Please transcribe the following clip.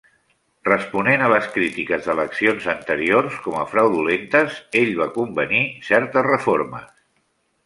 Responent a les crítiques d'eleccions anteriors com a fraudulentes, ell va convenir certes reformes.